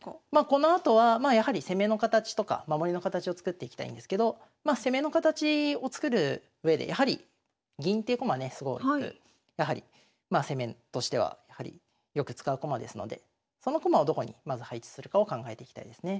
このあとはまあやはり攻めの形とか守りの形を作っていきたいんですけどまあ攻めの形を作るうえでやはり銀っていう駒はねすごくやはりまあ攻めとしてはよく使う駒ですのでその駒をどこにまず配置するかを考えていきたいですね。